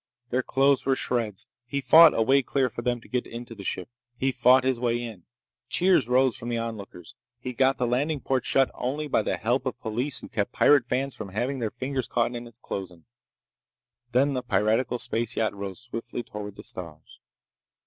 Their clothes were shreds. He fought a way clear for them to get into the ship. He fought his way in. Cheers rose from the onlookers. He got the landing port shut only by the help of police who kept pirate fans from having their fingers caught in its closing. Then the piratical space yacht rose swiftly toward the stars.